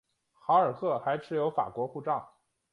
豪尔赫还持有法国护照。